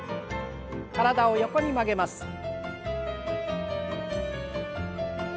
体を横に曲げます。